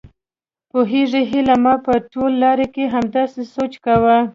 پوهېږې هيلې ما په ټوله لار کې همداسې سوچ کاوه.